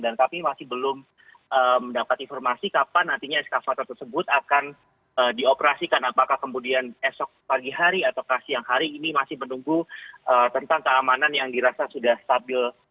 dan kami masih belum mendapat informasi kapan nantinya ekskavator tersebut akan dioperasikan apakah kemudian esok pagi hari atau kasihan hari ini masih menunggu tentang keamanan yang dirasa sudah stabil